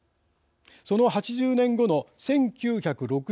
その８０年後の１９６６年